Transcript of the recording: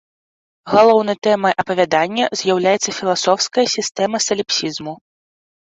Галоўнай тэмай апавядання з'яўляецца філасофская сістэма саліпсізму.